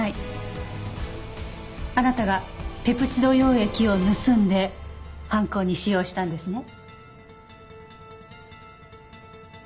あなたがペプチド溶液を盗んで犯行に使用したんですね？